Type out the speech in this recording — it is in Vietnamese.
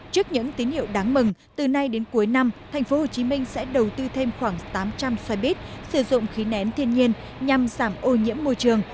trước những tín hiệu đáng mừng từ nay đến cuối năm tp hcm sẽ đầu tư thêm khoảng tám trăm linh xoay bít sử dụng khí nén thiên nhiên nhằm giảm ô nhiễm môi trường